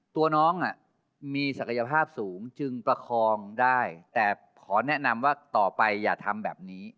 ตัวน้องมีศักยภาพสูงจึงประคองได้แต่ขอแนะนำว่าต่อไปอย่าทำแบบนี้